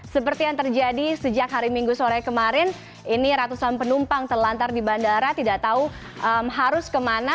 seperti yang terjadi sejak hari minggu sore kemarin ini ratusan penumpang terlantar di bandara tidak tahu harus kemana